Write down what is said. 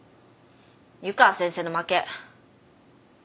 湯川先生の負け。